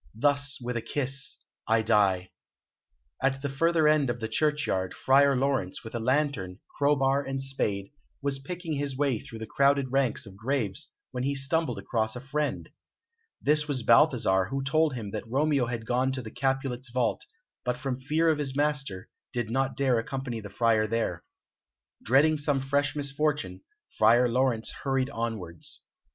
Thus with a kiss I die." At the further end of the churchyard, Friar Laurence, with a lantern, crowbar, and spade, was picking his way through the crowded ranks of graves, when he stumbled across a friend. This was Balthasar, who told him that Romeo had gone to the Capulets' vault, but from fear of his master, did not dare accompany the Friar there. Dreading some fresh misfortune, Friar Laurence hurried onwards.